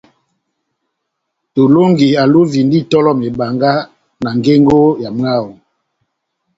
Tolɔngi alovindi itɔlɔ mebanga na ngengo ya mwáho.